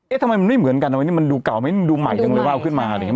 ทำไมมันไม่เหมือนกันทำไมนี่มันดูเก่าไหมดูใหม่จังเลยว่าเอาขึ้นมาอะไรอย่างนี้